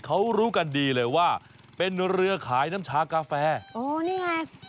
เขารู้กันดีเลยว่าเป็นเรือขายน้ำชากาแฟโอ้นี่ไง